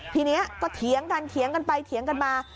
ทีนี้ก็เถียงกันเถียงกันไปเถียงกันมา